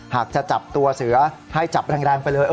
หากจะจับตัวเสือให้จับแรงไปเลย